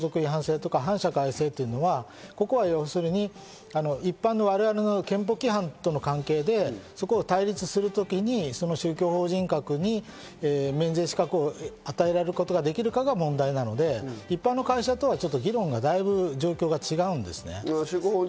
結局、公序良俗違反性とか反社会性というのは一般の我々の憲法規範との関係で対立するときに宗教法人格に免税資格を与えられることができるかどうかが問題なのであって、一般の会社とは議論がだいぶ状況が違うんですね。